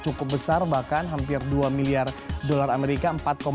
cukup besar bahkan hampir dua miliar dolar amerika